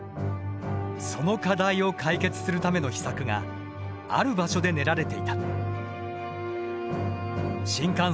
その課題を解決するための秘策がある場所で練られていた。